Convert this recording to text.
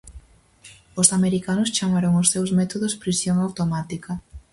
Os americanos chamaron os seus métodos "prisión automática".